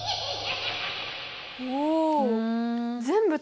おお！